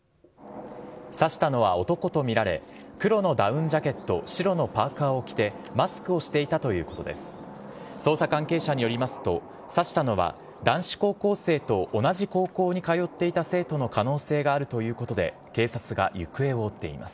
刺したのは男と見られ、黒のダウンジャケット、白のパーカーを着て、マスクをしていたということです。